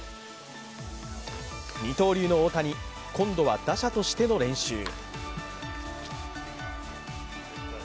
二刀流の大谷、今度は打者としての練習。